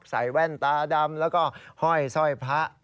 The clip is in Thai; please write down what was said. แว่นตาดำแล้วก็ห้อยสร้อยพระ